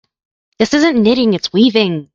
This isn't knitting, its weaving.